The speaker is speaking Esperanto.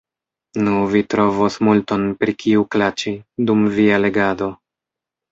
Nu, vi trovos multon, pri kiu klaĉi, dum via legado.